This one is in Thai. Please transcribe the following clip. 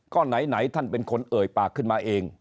ก็ไหนท่านเป็นคนเอ่ยปากขึ้นมาเอง